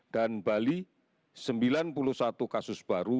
dan bali sembilan puluh satu kasus baru